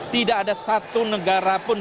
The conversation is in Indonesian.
tidak ada satu negara pun